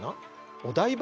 お台場。